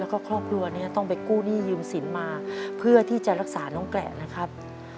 แล้วก็ครอบครัวนี้ต้องไปกู้หนี้ยืมสินมาเพื่อที่จะรักษาน้องแกร่นะครับ